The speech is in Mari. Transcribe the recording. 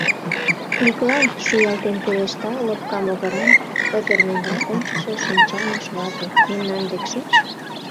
— Миклай, — шуялтен пелешта лопка могыран, пызырненрак ончышо шинчан ош вате, — мемнан дек шич.